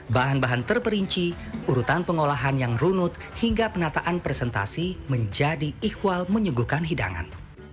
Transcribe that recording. bahan bahan terperinci urutan pengolahan yang runut hingga penataan presentasi menjadi ikhwal menyuguhkan hidangan